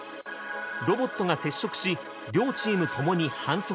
ロボットが接触し両チーム共に反則です。